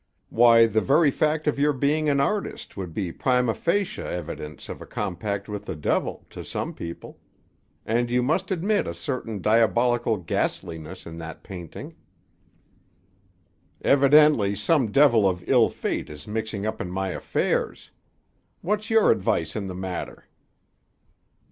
Why, the very fact of your being an artist would be prima facie evidence of a compact with the devil, to some people. And you must admit a certain diabolical ghastliness in that painting." "Evidently some devil of ill fate is mixing up in my affairs. What's your advice in the matter?"